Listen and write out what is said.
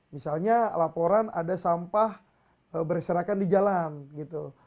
misalnya laporan ada sampah berserakan di jalan gitu